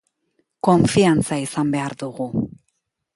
Konfiantza izan behar dugu.